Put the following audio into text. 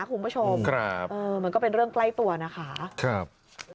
คุณผู้ชมครับเออมันก็เป็นเรื่องใกล้ตัวนะคะครับ